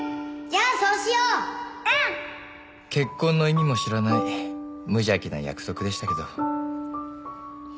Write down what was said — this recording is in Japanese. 結婚の意味も知らない無邪気な約束でしたけど。